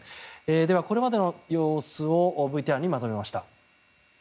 では、これまでの様子をＶＴＲにまとめました。